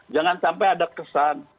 jangan sampai ada kesan